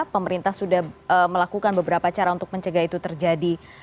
pemerintah sudah melakukan beberapa cara untuk mencegah itu terjadi